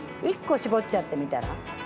１個搾っちゃってみたら？